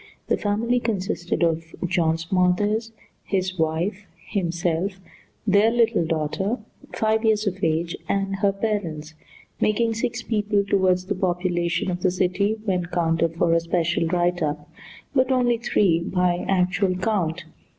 The family consisted of John Smothers, his wife, himself, their little daughter, five years of age, and her parents, making six people toward the population of the city when counted for a special write up, but only three by actual count.